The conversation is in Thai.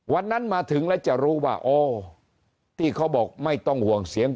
มาถึงแล้วจะรู้ว่าอ๋อที่เขาบอกไม่ต้องห่วงเสียง